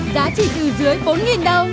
giá trị từ dưới bốn đồng